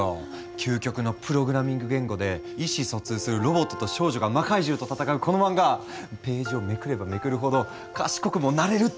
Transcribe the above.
究極のプログラミング言語で意思疎通するロボットと少女が魔怪獣と戦うこの漫画ページをめくればめくるほど賢くもなれるっていう。